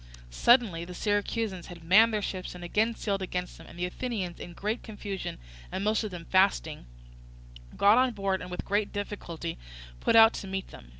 Suddenly the Syracusans had manned their ships and again sailed against them; and the Athenians, in great confusion and most of them fasting, got on board, and with great difficulty put out to meet them.